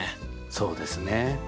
そうですね。